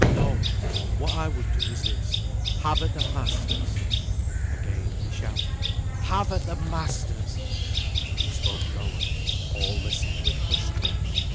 No! what I would do is this. Have at the masters!" Again he shouted, "Have at the masters!" He spoke lower; all listened with hushed breath.